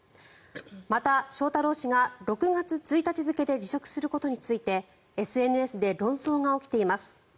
また、翔太郎氏が６月１日付で辞職することについてＳＮＳで論争が起きています。